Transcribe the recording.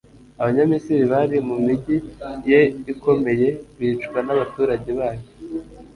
abanyamisiri bari mu migi ye ikomeye bicwa n'abaturage bayo